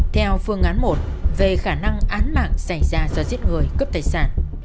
theo phương án một về khả năng án mạng xảy ra do giết người cướp tài sản